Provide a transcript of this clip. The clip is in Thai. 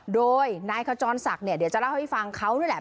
โดยนายขจรศักดิ์เนี่ยเดี๋ยวจะเล่าให้ฟังเขาด้วยแหละ